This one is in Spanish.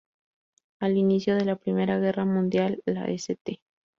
Al inicio de la Primera Guerra Mundial, la St.